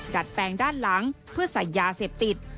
ดัดแปลงด้านหลังเพื่อใส่ยาเสพติด